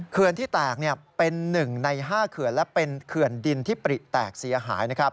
เขื่อนที่แตกเป็น๑ใน๕เขื่อนและเป็นเขื่อนดินที่ปริแตกเสียหายนะครับ